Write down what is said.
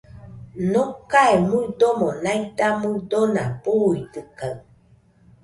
Nocae muidomo naida muidona, buidɨkaɨ